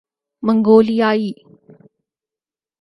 منگولیائی